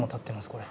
これ。